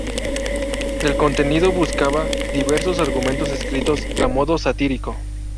El contenido buscaba diversos argumentos escritos a modo satírico.